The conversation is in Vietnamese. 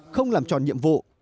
không làm tròn nhiệm vụ